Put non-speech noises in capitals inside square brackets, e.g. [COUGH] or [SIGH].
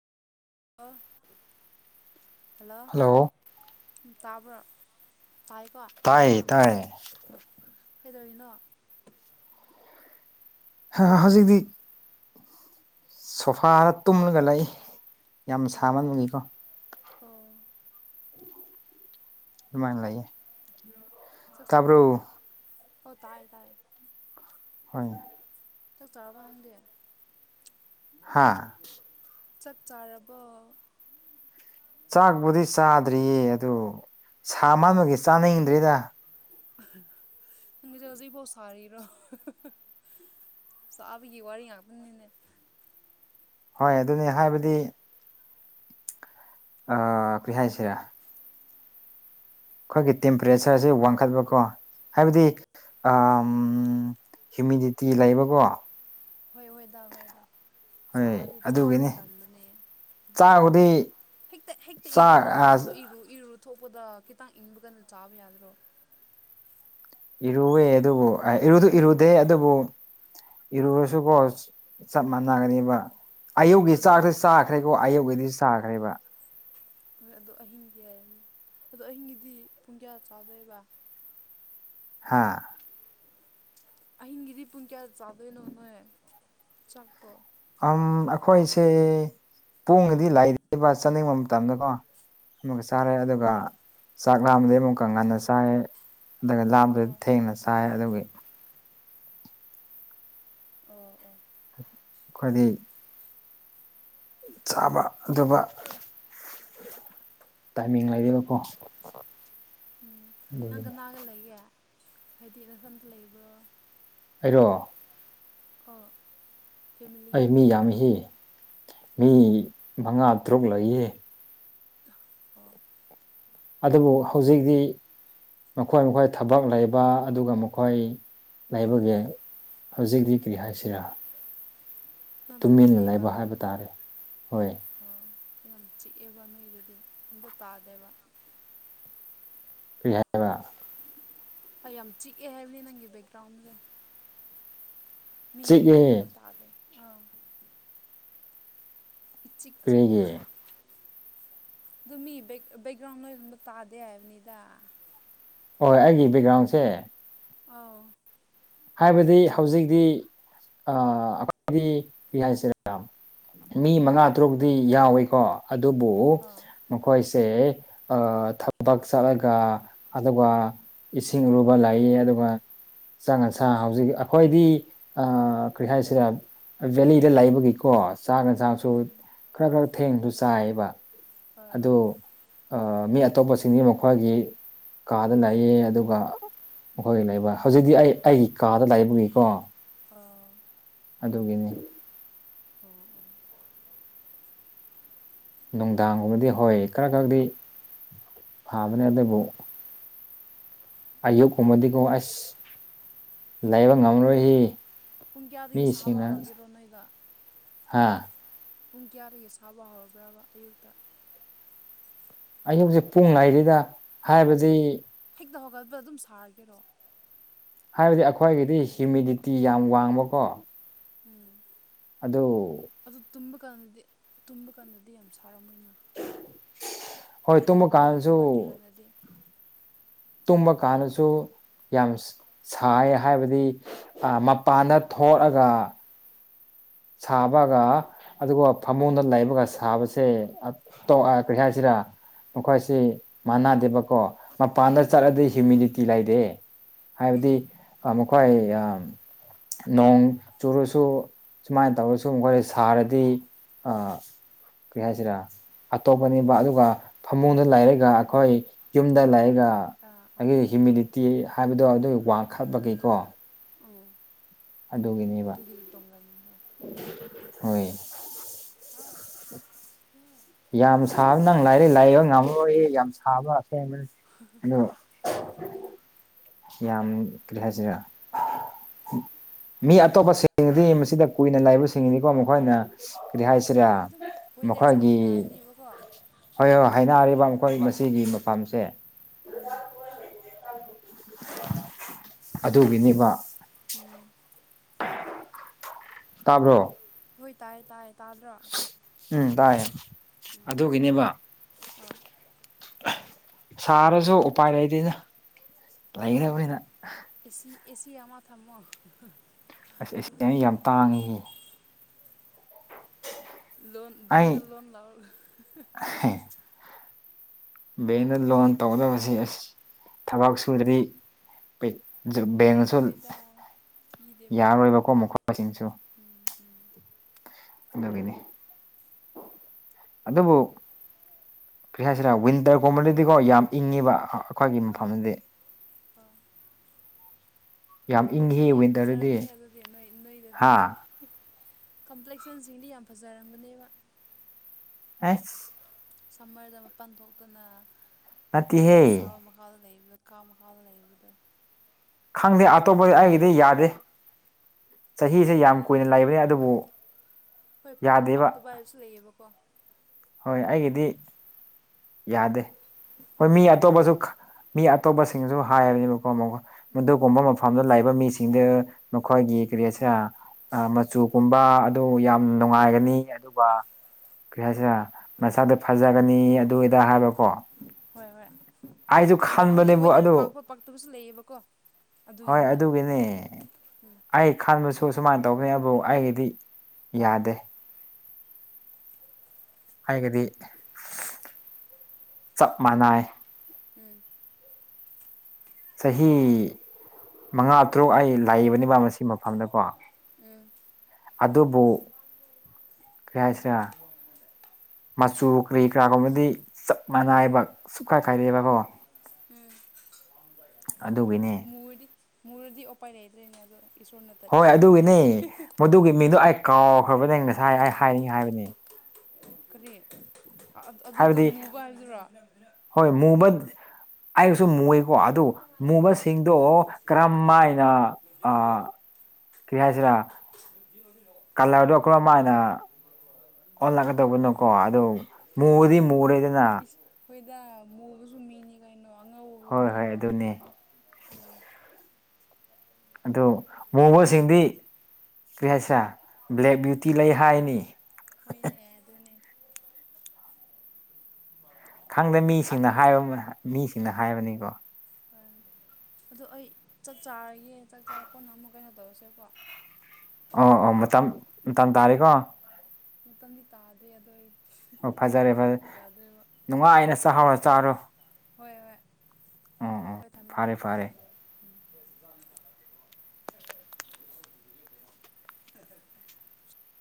Hello ꯇꯥꯕ꯭ꯔꯣ? ꯇꯥꯏꯀꯣ? ꯇꯥꯏꯌꯦ ꯇꯥꯏꯌꯦ꯫ ꯀꯩꯗꯧꯔꯤꯅꯣ? ꯍꯥ ꯍꯧꯖꯤꯛꯇꯤ ꯁꯣꯐꯥꯗ ꯇꯨꯝꯂꯒ ꯂꯩ꯫ ꯌꯥꯝ ꯑꯣ ꯁꯥꯃꯟꯕꯒꯤꯀꯣ꯫ ꯑꯣ ꯑꯗꯨꯃꯥꯏꯅ ꯂꯩꯌꯦ꯫ ꯆꯥꯛ ꯇꯥꯕ꯭ꯔꯣ ꯆꯥꯔꯕꯣ? ꯑꯣ ꯇꯥꯏ ꯇꯥꯏ꯫ ꯍꯣꯏ ꯆꯥꯛ ꯆꯥꯔꯕꯣ ꯅꯪꯗꯤ ꯍꯥ ꯆꯥꯛ ꯆꯥꯔꯕꯣ? ꯆꯥꯛꯄꯨꯗꯤ ꯆꯥꯗ꯭ꯔꯤꯌꯦ ꯑꯗꯨ ꯁꯥꯃꯥꯟꯕꯒꯤ ꯆꯥꯅꯤꯡꯗ꯭ꯔꯤꯗ꯫ ꯅꯪꯒꯤꯁꯦ ꯍꯧꯖꯤꯛꯐꯥꯎ ꯁꯥꯔꯤꯔꯣ? ꯆꯥꯕꯒꯤ ꯋꯥꯔꯤ ꯉꯥꯛꯇꯅꯤꯅꯦ꯫ ꯍꯣꯏ ꯑꯗꯨꯅꯦ ꯍꯥꯏꯕꯗꯤ ꯑꯥ ꯀꯔꯤ ꯍꯥꯏꯁꯤꯔꯥ꯫ ꯑꯩꯈꯣꯏꯒꯤ ꯇꯦꯝꯄ꯭ꯔꯦꯆꯔꯁꯤ ꯋꯥꯡꯈꯠꯄꯀꯣ ꯍꯥꯏꯕꯗꯤ ꯍꯨꯏꯃꯤꯗꯤꯇꯤ ꯂꯩꯕꯀꯣ꯫ ꯍꯣꯏ ꯍꯣꯏꯗꯥ ꯍꯣꯏꯗꯥ ꯍꯣꯏ ꯁꯥꯔꯗꯤ ꯆꯥꯕꯁꯨ ꯑꯗꯨꯒꯤꯅꯤ ꯇꯟꯕꯅꯦ꯫ ꯆꯥꯛꯕꯨꯗꯤ ꯍꯦꯛꯇ ꯍꯦꯛꯇ ꯆꯥꯛ ꯏꯔꯣꯑꯣꯅ ꯑꯥ ꯑꯗꯨ ꯏꯔꯨ ꯏꯔꯨ ꯊꯣꯛꯄꯗ ꯈꯤꯇꯪ ꯏꯪꯕ ꯀꯥꯟꯗ ꯆꯥꯕ ꯌꯥꯗ꯭ꯔꯣ꯫ ꯏꯔꯨꯋꯦ ꯑꯗꯨꯕꯨ ꯏꯔꯨꯗꯨ ꯏꯔꯨꯗꯦ ꯑꯗꯨꯕꯨ, ꯏꯔꯨꯔꯁꯨꯀꯣ ꯆꯞ ꯃꯥꯟꯅꯒꯥꯅꯤꯕ꯫ ꯑꯌꯨꯛꯒꯤ ꯑꯗꯣ ꯆꯥꯛꯇꯤ ꯆꯥꯈ꯭ꯔꯦꯀꯣ ꯑꯌꯨꯛꯒꯤꯗꯤ ꯆꯥꯈ꯭ꯔꯦꯕ꯫ ꯍꯣꯏ ꯑꯗꯣ ꯑꯍꯤꯡꯒꯤ ꯌꯦꯟ, ꯑꯗꯣ ꯑꯍꯤꯡꯒꯤꯗꯤ ꯄꯨꯡ ꯀꯌꯥ ꯆꯥꯗꯣꯏꯕ? ꯍꯥꯥ ꯑꯍꯤꯡꯒꯤꯗꯤ ꯄꯨꯡ ꯀꯌꯥ ꯆꯥꯗꯣꯏꯅꯣ ꯅꯣꯏ ꯆꯥꯛꯇꯣ? ꯑꯝ ꯑꯩꯈꯣꯏꯁꯦ, ꯄꯣꯡꯒꯗꯤ ꯂꯩꯗꯦꯕ ꯆꯥꯅꯤꯡꯕ ꯃꯇꯝꯗꯀꯣ ꯆꯥꯔꯦ ꯑꯗꯨꯒ ꯑꯣ ꯆꯥꯛ ꯂꯥꯝꯕꯗꯩ ꯑꯃꯨꯛꯀ ꯉꯟꯅ ꯆꯥꯏꯔꯦ꯫ ꯑꯗꯨꯒ ꯂꯥꯝꯕ ꯑꯣ ꯊꯦꯡꯅ ꯆꯥꯏꯌꯦ ꯑꯗꯨꯒꯤ꯫ ꯑꯣ ꯑꯣ ꯈꯣꯏꯗꯤ ꯆꯥꯕ ꯑꯗꯨꯒ, ꯇꯥꯏꯃꯤꯡ ꯂꯩꯌꯦꯕꯀꯣ꯫ ꯎꯝ ꯅꯪ ꯑꯗꯨꯒꯤꯅꯤ ꯀꯅꯥꯒ ꯂꯩꯒꯦ, ꯍꯥꯏꯗꯤ ꯅꯊꯟꯇ ꯂꯩꯕ꯭ꯔꯣ? ꯑꯩꯔꯣ ꯑꯥ ꯑꯩ ꯃꯤ ꯌꯥꯝꯃꯦꯍꯦ ꯃꯤ ꯃꯉꯥ ꯇꯔꯨꯛ ꯂꯩꯌꯦ ꯑꯥ ꯑꯗꯨꯕꯨ ꯍꯧꯖꯤꯛꯗꯤ ꯃꯈꯣꯏ ꯃꯈꯣꯏ ꯊꯕꯛ ꯂꯩꯕ ꯑꯗꯨꯒ ꯃꯈꯣꯏ ꯂꯩꯕꯒꯤ ꯍꯧꯖꯤꯛꯗꯤ ꯀꯔꯤ ꯍꯥꯏꯁꯤꯔꯥ ꯇꯨꯃꯤꯟꯅ ꯂꯩꯕ ꯍꯥꯏꯕ ꯇꯥꯔꯦ ꯍꯣꯏ ꯑꯣ ꯅꯪ ꯌꯥꯝ ꯆꯤꯛꯑꯦꯕ ꯅꯣꯏꯗꯨꯗꯤ ꯑꯝꯇ ꯇꯥꯗꯦꯕ ꯀꯔꯤ ꯍꯥꯏꯕ ꯍꯣꯏ ꯌꯥꯝ ꯆꯤꯛꯑꯦ ꯍꯥꯏꯕꯅꯤ ꯅꯪꯒꯤ ꯕꯦꯛꯒ꯭ꯔꯥꯎꯟꯗꯨ ꯃꯤ ꯃꯈꯣꯟ ꯆꯤꯛꯏ ꯑꯝꯇ ꯇꯥꯗꯦ ꯑꯥ ꯏꯆꯤꯛ ꯆꯤꯛꯅ ꯀꯔꯤꯒꯤ ꯑꯗꯨ ꯃꯤ ꯕꯦꯛ ꯕꯦꯛꯒ꯭ꯔꯥꯎꯟ ꯅꯣꯏꯔꯨꯝꯗꯨ ꯇꯥꯗꯦ ꯍꯥꯏꯕꯅꯤꯗ ꯍꯣꯏ ꯑꯩꯒꯤ ꯕꯦꯛꯒ꯭ꯔꯥꯎꯟꯁꯦ ꯑꯧ ꯍꯥꯏꯕꯗꯤ ꯍꯧꯖꯤꯛꯇꯤ ꯑꯥ ꯑꯩꯈꯣꯏꯗꯤ ꯀꯔꯤ ꯍꯥꯏꯁꯤꯔꯥ ꯃꯤ ꯃꯉꯥ ꯇꯔꯨꯛꯇꯤ ꯌꯥꯎꯏꯤꯀꯣ ꯑꯗꯨꯕꯨ ꯑꯥ ꯃꯈꯣꯏꯁꯦ ꯑꯥ ꯊꯕꯛ ꯆꯠꯂꯒ ꯑꯗꯨꯒ ꯏꯁꯤꯡꯔꯨꯕ ꯂꯩꯌꯦ ꯑꯗꯨꯒ ꯆꯪꯉꯥꯁ ꯍꯧꯖꯤꯛꯒꯤ ꯑꯩꯈꯣꯏꯗꯤ ꯑꯥ ꯀꯔꯤ ꯍꯥꯏꯁꯤꯔ ꯕꯦꯂꯤꯗ ꯂꯩꯕꯒꯤꯀꯣ ꯆꯥꯉꯟ ꯆꯥꯕꯁꯨ ꯎꯝ ꯈꯔ ꯈꯔ ꯊꯦꯡꯅꯁꯨ ꯆꯥꯌꯦꯕ ꯍꯣꯏ ꯑꯗꯣ ꯍꯣꯏ ꯑꯥ ꯃꯤ ꯑꯇꯣꯞꯄꯁꯤꯡꯗꯤ ꯃꯈꯣꯏꯒꯤ ꯀꯥꯗ ꯂꯩꯌꯦ ꯑꯗꯨꯒ ꯃꯈꯣꯏꯒꯥ ꯂꯩꯕ ꯍꯧꯖꯤꯛꯇꯤ ꯑꯩ ꯑꯩꯒꯤ ꯀꯥꯗ ꯂꯩꯕꯒꯤꯀꯣ ꯑꯥ ꯑꯗꯨꯒꯤꯅꯤ ꯅꯨꯡꯗꯥꯡꯒꯨꯝꯕꯗꯤ ꯍꯣꯏ ꯈꯔ ꯈꯛꯗꯤ ꯐꯥꯕꯅꯦ ꯑꯗꯨꯕꯨ ꯑꯌꯨꯛꯀꯨꯝꯕꯗꯤꯀꯣ ꯑꯁ ꯂꯩꯕ ꯉꯝꯔꯣꯏꯍꯦ ꯄꯨꯡ ꯀꯌꯥꯗꯒꯤ ꯁꯥꯕ ꯍꯧꯔꯒꯦꯔꯣ ꯅꯣꯏꯗ ꯍꯥꯥ ꯄꯨꯡ ꯀꯌꯥꯗꯒꯤ ꯁꯥꯕ ꯍꯧꯔꯕ꯭ꯔꯕ ꯑꯌꯨꯛꯇ ꯑꯌꯨꯛꯁꯦ ꯄꯨꯡ ꯍꯥꯏꯗꯦꯗ ꯍꯥꯏꯕꯗꯤ ꯍꯦꯛꯇ ꯍꯧꯒꯠꯄ ꯑꯗꯨꯝ ꯁꯥꯔꯒꯦꯔꯣ ꯍꯥꯏꯕꯗꯤ ꯑꯩꯈꯣꯏꯒꯤꯗꯤ ꯍꯤꯌꯨꯃꯤꯗꯤꯇꯤ ꯌꯥꯝ ꯋꯥꯡꯕꯀꯣ ꯎꯝ ꯑꯗꯣ ꯑꯗꯨ ꯇꯨꯝꯕ ꯀꯥꯟꯗꯗꯤ ꯇꯨꯝꯕ ꯀꯥꯟꯗꯗꯤ ꯌꯥꯝ ꯁꯥꯔꯝꯃꯣꯏꯅ ꯍꯣꯏ ꯑꯌꯨꯛ ꯇꯨꯝꯕ ꯑꯌꯨꯛ ꯀꯥꯟꯗꯁꯨ ꯍꯧꯒꯠꯇ꯭ꯔꯤꯀꯥꯟꯗꯗꯤ ꯇꯨꯝꯕ ꯀꯥꯟꯗꯁꯨ ꯌꯥꯝ ꯁꯥꯌꯦ ꯍꯥꯏꯕꯗꯤ ꯑꯥ ꯃꯄꯥꯟꯗ ꯊꯣꯛꯔꯒ ꯁꯥꯕꯒ ꯑꯗꯨꯒ ꯐꯃꯨꯡꯗ ꯂꯩꯕꯒ ꯁꯥꯕꯁꯦ ꯑꯇꯣꯛ ꯑꯥ ꯀꯔꯤ ꯍꯥꯏꯁꯤꯔꯥ ꯃꯈꯣꯏꯁꯤ ꯃꯥꯟꯅꯗꯦꯕꯀꯣ ꯃꯄꯥꯟꯗ ꯎꯝ ꯆꯠꯂꯗꯤ ꯎꯝ ꯍꯤꯌꯨꯃꯤꯗꯤꯇꯤ ꯀꯤ ꯂꯩꯗꯦ ꯎꯝ ꯍꯥꯏꯕꯗꯤ ꯑꯥ ꯃꯈꯣꯏ ꯅꯣꯡ ꯆꯨꯔꯁꯨ ꯁꯨꯃꯥꯏꯅ ꯇꯧꯔꯁꯨꯨ ꯃꯈꯣꯏ ꯁꯥꯔꯗꯤ ꯑꯥ ꯀꯔꯤ ꯍꯥꯏꯁꯤꯔꯥ ꯑꯇꯣꯞꯄꯅꯦꯕ ꯑꯗꯨꯒ ꯐꯃꯨꯡꯗ ꯂꯩꯔꯒ ꯑꯩꯈꯣꯏ ꯌꯨꯝꯗ ꯍꯣꯏ ꯍꯣꯏ ꯂꯩꯔꯒ ꯍꯣꯏ ꯑꯥ ꯑꯥ ꯑꯩꯒꯤ ꯍꯤꯌꯨꯃꯤꯗꯤꯇꯤ ꯍꯥꯏꯕꯗꯣ ꯑꯗꯨ ꯋꯥꯡꯈꯠꯄꯒꯤꯀꯣ ꯑꯝ ꯑꯗꯨꯒꯤꯅꯦꯕ ꯍꯣꯏ ꯍꯥꯎ ꯎꯝ ꯌꯥꯝ ꯁꯥꯕ ꯅꯪ ꯂꯥꯏꯔꯤꯛ ꯂꯥꯏꯌꯦꯡꯕ ꯉꯝꯃꯣꯏ ꯌꯥꯝ ꯁꯥꯕ ꯑꯁꯦꯡꯕꯅꯤ ꯑꯗꯣ ꯍꯣꯏꯗ ꯍꯣꯏꯗ ꯌꯥꯝ ꯀꯔꯤ ꯍꯥꯏꯁꯤꯔꯥ ꯃꯤ ꯑꯇꯣꯞꯄꯁꯤꯡꯗꯤ ꯃꯁꯤꯗ ꯀꯨꯏꯅ ꯂꯩꯕꯁꯤꯡꯅꯤꯀꯣ ꯃꯈꯣꯏꯅ ꯀꯔꯤ ꯍꯥꯏꯁꯤꯔꯥ ꯑꯗꯨꯝ ꯋꯦꯗꯔꯁꯦ ꯃꯈꯣꯏꯒꯤ ꯍꯥꯏꯅꯔꯅꯦꯕꯀꯣ ꯍꯣꯏ ꯍꯣꯏ ꯍꯥꯏꯅꯔꯤꯕ ꯑꯩꯈꯣꯏ ꯃꯁꯤꯒꯤ ꯃꯐꯝꯁꯦ ꯎꯝ ꯑꯗꯨꯒꯤꯅꯦꯕ ꯎꯝ ꯇꯥꯕ꯭ꯔꯣ ꯍꯣꯏ ꯇꯥꯏꯌꯦ ꯇꯥꯏꯌꯦ ꯇꯥꯗ꯭ꯔꯣ ꯎꯝ ꯇꯥꯏꯌꯦ ꯑꯗꯨꯒꯤꯅꯦꯕ ꯑꯝ ꯁꯥꯔꯁꯨ ꯎꯄꯥꯏ ꯂꯩꯗꯦꯅ ꯂꯩꯈ꯭ꯔꯕꯅꯤꯅ ꯑꯦꯁꯤ ꯑꯦꯁꯤ ꯑꯃ ꯊꯝꯃꯣ ꯑꯁ ꯑꯁꯤꯗꯗꯤ ꯌꯥꯝ ꯇꯥꯡꯉꯤ ꯂꯣꯟ ꯕꯦꯡꯗ ꯑꯩ ꯂꯣꯟ ꯂꯥꯎ ꯕꯦꯡꯗ ꯂꯣꯟ ꯇꯧꯒꯗꯕꯁꯤ ꯑꯁ ꯊꯕꯛ ꯁꯨꯗ꯭ꯔꯤ ꯄꯩ ꯁ ꯍꯣꯏꯗ ꯄꯤꯗꯦꯕꯀꯣ ꯌꯥꯔꯣꯏꯕꯀꯣ ꯃꯈꯣꯏꯁꯤꯡꯁꯨ ꯎꯝ ꯎꯝ ꯑꯗꯨꯒꯤꯅꯤ ꯑꯗꯨꯕꯨ ꯀꯔꯤ ꯍꯥꯏꯁꯤꯔꯥ ꯋꯤꯟꯇꯔ ꯀꯨꯝꯕꯗꯗꯤꯀꯣ ꯌꯥꯝ ꯏꯪꯉꯤꯕ ꯑꯩꯈꯣꯏꯒꯤ ꯃꯐꯝꯗꯗꯤ ꯑꯣ ꯌꯥꯝ ꯏꯪꯉꯤ ꯀꯝꯄ꯭ꯂꯦꯛꯁꯟꯗꯤ ꯌꯥꯝ ꯋꯤꯟꯇꯔꯗꯗꯤ ꯐꯖꯔꯝꯅꯤ ꯑꯗꯨꯗꯤ ꯅꯣꯏ ꯅꯣꯏꯗꯗꯤ ꯍꯥ ꯀꯝꯄ꯭ꯂꯦꯛꯁꯟꯁꯤꯡꯗꯤ ꯌꯥꯝ ꯐꯖꯔꯝꯒꯅꯦꯕ ꯑꯥꯏꯁ ꯁꯝꯃꯔꯗ ꯃꯄꯥꯟ ꯊꯣꯛꯇꯅ ꯅꯠꯇꯦꯍꯦ ꯑꯗꯨꯝꯃꯨꯛ ꯁꯥꯕ ꯃꯈ ꯃꯈꯥꯗ ꯂꯩꯕꯗ ꯀꯥ ꯃꯈꯥꯗ ꯂꯩꯕꯗꯣ ꯈꯪꯗꯦ ꯑꯇꯣꯞꯄꯗꯤ ꯑꯩꯒꯤꯗꯤ ꯌꯥꯗꯦ ꯆꯍꯤꯁꯦ ꯌꯥꯝ ꯀꯨꯏꯅ ꯂꯩꯕꯅꯤ ꯑꯗꯨꯕꯨ ꯍꯣꯏ ꯄꯥꯛꯄ ꯌꯥꯗꯦꯕ ꯄꯥꯛꯇꯕ ꯍꯥꯏꯕꯁꯨ ꯂꯩꯌꯦꯕꯀꯣ ꯍꯣꯏ ꯑꯩꯒꯤꯗꯤ ꯌꯥꯗꯦ ꯍꯣꯏ ꯑꯥ ꯃꯤ ꯑꯇꯣꯞꯄꯁꯨ ꯃꯤ ꯑꯇꯣꯞꯄꯁꯤꯡꯁꯨ ꯍꯥꯏꯔꯅꯦꯕꯀꯣ ꯃꯈꯣꯏ ꯃꯗꯨꯒꯨꯝꯕ ꯃꯐꯝꯗ ꯂꯩꯕ ꯃꯤꯁꯤꯡꯗ ꯃꯈꯣꯏꯒꯤ ꯀꯔꯤ ꯍꯥꯏꯁꯤꯔꯥ ꯃꯆꯨꯒꯨꯝꯕ ꯑꯗꯨ ꯌꯥꯝ ꯅꯨꯡꯉꯥꯏꯒꯅꯤ ꯑꯗꯨꯒ ꯀꯔꯤ ꯍꯥꯏꯁꯤꯔ ꯃꯁꯥꯗꯣ ꯐꯖꯒꯅꯤ ꯑꯗꯨꯏꯗꯥ ꯍꯥꯏꯕꯀꯣ ꯍꯣꯏ ꯍꯣꯏ ꯑꯩꯁꯨ ꯑꯗꯨ ꯍꯥꯏꯗꯤ ꯈꯟꯕꯅꯦꯕ ꯋꯦꯗꯔ ꯑꯗꯨ ꯄꯥꯛꯄ ꯄꯥꯛꯇꯕꯁꯨ ꯂꯩꯌꯦꯕꯀꯣ ꯍꯣꯏ ꯑꯗꯨꯒꯤꯅꯤꯗ ꯑꯗꯨꯒꯤꯅꯦ ꯑꯩ ꯈꯟꯕꯁꯨ ꯑꯁꯨꯃꯥꯏꯅ ꯇꯧꯕꯅꯦ ꯑꯗꯨꯕꯨ ꯑꯩꯒꯤꯗꯤ ꯌꯥꯗꯦ ꯑꯩꯒꯤꯗꯤ ꯆꯞ ꯃꯥꯟꯅꯩ ꯎꯝ ꯆꯍꯤ ꯃꯉꯥ ꯇꯔꯨꯛ ꯑꯩ ꯂꯥꯛꯏꯕꯅꯤꯕ ꯃꯁꯤꯃ ꯐꯝꯅꯀꯣ ꯎꯝ [UNINTELLIGIBLE] ꯀ꯭ꯔꯤꯍꯥꯏꯁꯤꯔ ꯃꯆꯨ ꯀꯔꯤ ꯀꯔꯥꯒꯨꯝꯕꯗꯤ ꯆꯞ ꯃꯥꯟꯅꯥꯏꯕ ꯁꯨꯛꯈꯥꯏ ꯈꯥꯏꯗꯦꯕꯀꯣ ꯎꯝ ꯑꯗꯨꯒꯤꯅꯦ ꯃꯔꯗꯤ ꯃꯨꯔꯗꯤ ꯎꯄꯥꯏ ꯂꯩꯗ꯭ꯔꯦꯅꯦ ꯑꯗꯣ ꯏꯁꯣꯔꯅ ꯇꯠ ꯍꯣꯏ ꯑꯗꯨꯒꯤꯅꯤ ꯄꯤꯕꯗꯨꯅꯤ ꯃꯗꯨꯒꯤ ꯃꯤꯗꯨꯣ ꯑꯩ ꯀꯥꯎꯈ꯭ꯔꯕꯅꯦ ꯉꯁꯥꯏ ꯑꯩ ꯍꯥꯏꯅꯤꯡꯉꯤ ꯍꯥꯏꯕꯅꯤ ꯀꯔꯤ ꯑꯗꯨꯗꯣ ꯍꯥꯏꯕꯗꯤ ꯃꯨꯕ ꯍꯥꯏꯗꯨꯔꯣ ꯍꯣꯏ ꯃꯨꯕꯠ ꯑꯩꯁꯨ ꯃꯨꯌꯦ ꯀꯣ ꯑꯗꯨ ꯃꯨꯕꯁꯤꯡꯗꯣ ꯀꯔꯝꯥꯏꯅ ꯑ ꯀꯩ ꯍꯥꯏꯁꯤꯔ [UNINTELLIGIBLE] ꯀꯜꯂꯔꯗꯣ ꯀꯔꯝꯃꯥꯢꯅ ꯑꯣꯜꯂꯛꯀꯗꯧꯕꯅꯣꯀꯣ ꯑꯗꯨ ꯃꯨꯗꯤ ꯃꯨꯔꯦꯗꯅ ꯑꯩꯈꯣꯏꯗ ꯃꯨꯕꯁꯨ ꯃꯤꯅꯤ ꯀꯩꯅꯣ ꯑꯉꯧꯕꯕꯨ ꯍꯣꯏ ꯍꯣꯏ ꯃꯤꯔꯣ ꯑꯗꯨꯅꯦ ꯎꯝ ꯑꯗꯨ ꯃꯨꯕꯁꯤꯡꯗꯤ ꯀꯔꯤ ꯍꯥꯏꯁꯔꯥ ꯕ꯭ꯂꯦꯛ ꯕ꯭ꯌꯨꯇꯤ ꯂꯩ ꯍꯥꯏꯅꯤ ꯑꯦ ꯑꯗꯨꯅꯤ ꯈꯪꯗꯦ ꯃꯤꯁꯤꯡꯅ ꯍꯥꯏꯕ ꯃꯤꯁꯤꯡꯅ ꯍꯥꯏꯕꯅꯤꯀꯣ [UNINTELLIGIBLE] ꯑꯗꯨ ꯑꯩ ꯆꯥꯛ ꯆꯥꯔꯤꯌꯦ ꯆꯥꯛ ꯆꯥꯔꯀꯣꯅ ꯑꯃꯨꯛ ꯀꯩꯅꯣ ꯇꯧꯔꯁꯦꯀꯣ ꯑꯣ ꯑꯣ ꯀꯥꯎꯔꯦꯕꯗꯤ ꯃꯇꯝ ꯃꯇꯝ ꯇꯥꯔꯦꯀꯣ ꯍꯣꯏ ꯑꯣ ꯃꯇꯝꯗꯤ ꯇꯥꯗ꯭ꯔꯤ ꯑꯗꯣ ꯑꯩ ꯑꯣ ꯐꯖꯔꯦ ꯐꯖꯦ ꯌꯥꯗꯣꯏꯕ ꯅꯨꯡꯉꯥꯏꯅ ꯍꯣꯏ ꯆꯥꯍꯧꯔꯣ ꯆꯥꯔꯣ ꯍꯣꯏ ꯍꯣꯏ ꯎꯝ ꯎꯝ ꯍꯣꯏ ꯊꯝꯃꯦ ꯐꯔꯦ ꯊꯝꯃꯦ ꯐꯔꯦ [UNINTELLIGIBLE]